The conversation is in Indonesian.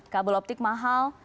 kabel optik mahal